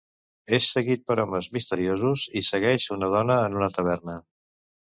És seguit per homes misteriosos, i segueix una dona en una taverna.